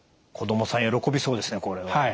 子どもさん喜びそうですねこれは。